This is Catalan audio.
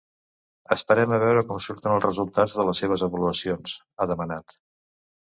“Esperem a veure com surten els resultats de les seves avaluacions”, ha demanat.